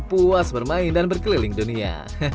puas bermain dan berkeliling dunia